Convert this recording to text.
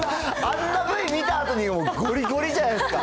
あんなＶ見たあとにもうぐりぐりじゃないですか。